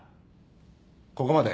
ここまで。